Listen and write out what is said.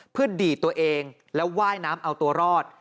เพื่อดีดตัวเองแล้วว่ายน้ำเอาตัวรอด